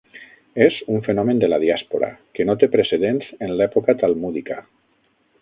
És un fenomen de la diàspora, que no té precedents en l'època talmúdica.